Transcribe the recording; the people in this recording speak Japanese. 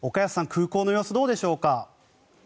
空港の状況はどうでしょうか。